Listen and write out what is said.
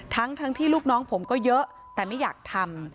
ทั้งที่ลูกน้องผมก็เยอะแต่ไม่อยากทำ